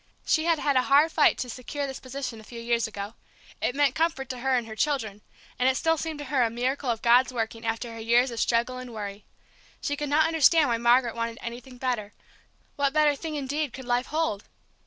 She had had a hard fight to secure this position a few years ago; it meant comfort to her and her children, and it still seemed to her a miracle of God's working, after her years of struggle and worry. She could not understand why Margaret wanted anything better; what better thing indeed could life hold!